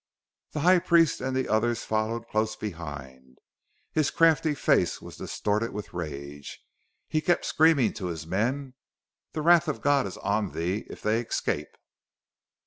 The High Priest and the others followed close behind. His crafty face was distorted with rage, and he kept screaming to his men: "The wrath of the God on thee if they escape!"